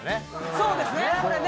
そうですね。